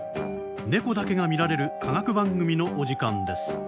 ネコだけが見られる科学番組のお時間です。